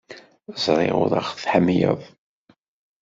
Ẓriɣ ur aɣ-tḥemmleḍ.